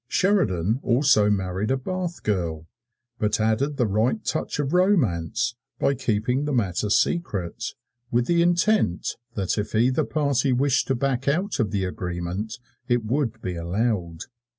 Sheridan also married a Bath girl, but added the right touch of romance by keeping the matter secret, with the intent that if either party wished to back out of the agreement it would be allowed.